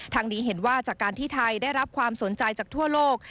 ทางนี้เห็นว่าจากการที่ไทยได้รับความสนใจจากทั่วโลก